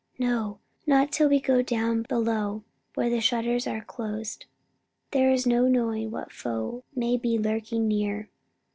"No, not till we go down below where the shutters are closed. There is no knowing what foe may be lurking near."